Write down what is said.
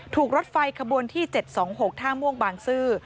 รถไฟขบวนที่๗๒๖ท่าม่วงบางซื่อ